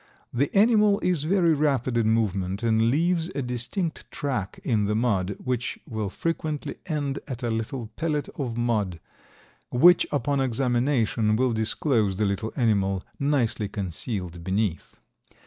The animal is very rapid in movement and leaves a distinct track in the mud, which will frequently end at a little pellet of mud, which, upon examination, will disclose the little animal nicely concealed beneath.